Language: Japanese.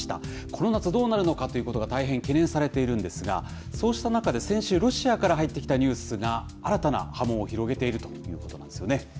この夏、どうなるのかということが大変懸念されているんですが、そうした中で先週、ロシアから入ってきたニュースが新たな波紋を広げているということなんですよね。